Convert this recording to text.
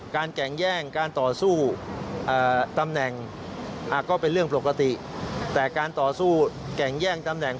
แก่งแย่งการต่อสู้ตำแหน่งก็เป็นเรื่องปกติแต่การต่อสู้แก่งแย่งตำแหน่ง